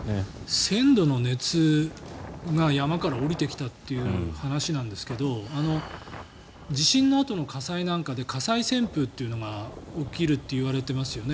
１０００度の熱が山から下りてきたという話なんですけど地震のあとの火災なんかで火災旋風が起きるといわれていますよね。